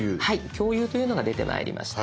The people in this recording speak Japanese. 「共有」というのが出てまいりました。